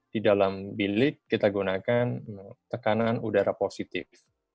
di dalam bilik kita gunakan tekanan udara positif